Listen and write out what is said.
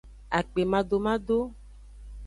Akpemadomado.